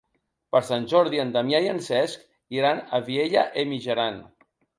Per Sant Jordi en Damià i en Cesc iran a Vielha e Mijaran.